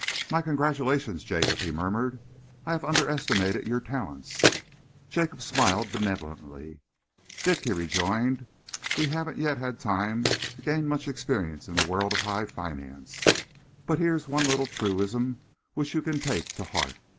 "My congratulations, Jacob," he murmured. "I have underestimated your talents." Jacob smiled benevolently. "Dick," he rejoined, "we haven't yet had time to gain much experience in the world of high finance, but here's one little truism which you can take to heart.